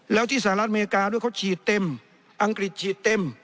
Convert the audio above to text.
แล้วที่สหรัฐอเมริกาด้วยเขาฉีดเต็มอังกฤษฉีดเต็ม